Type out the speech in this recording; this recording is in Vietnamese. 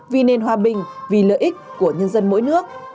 vì nền hòa bình vì lợi ích của nhân dân mỗi nước